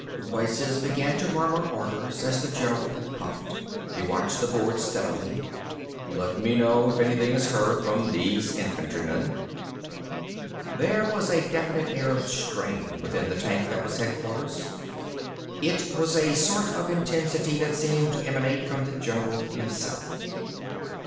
Voices began to murmur orders as the general puffed. He watched the board steadily. "Let me know if anything is heard from these infantrymen...." There was a definite air of strain within the tank that was headquarters. It was a sort of tensity that seemed to emanate from the general himself.